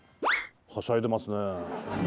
はしゃいでますね。